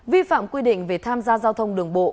vi phạm quy định về tham gia giao thông đường bộ